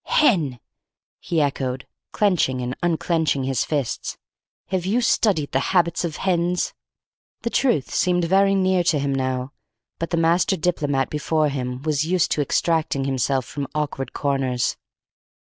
"Hen!" he echoed, clenching and unclenching his fists. "Have you studied the habits of hens?" The truth seemed very near to him now, but the master diplomat before him was used to extracting himself from awkward corners.